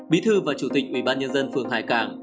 bí thư và chủ tịch ủy ban nhân dân phường hải cảng